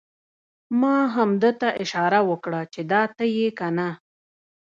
ما همده ته اشاره وکړه چې دا ته یې کنه؟!